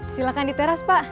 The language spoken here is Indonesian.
silakan di teras pak